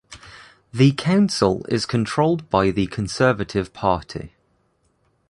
The council is controlled by the Conservative Party.